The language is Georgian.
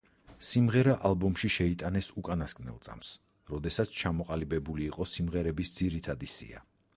სიმღერა ალბომში შეიტანეს უკანასკნელ წამს, როდესაც ჩამოყალიბებული იყო სიმღერების ძირითადი სია.